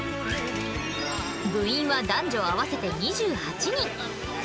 部員は男女合わせて２８人。